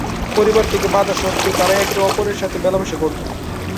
পরিবার থেকে বাধা সত্ত্বেও তারা একে অপরের সাথে মেলামেশা করতো।